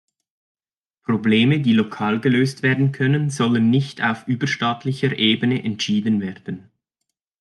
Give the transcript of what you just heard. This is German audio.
Probleme, die lokal gelöst werden können, sollten nicht auf überstaatlicher Ebene entschieden werden.